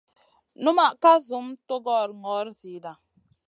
Unma ka zum tugora gnor zida.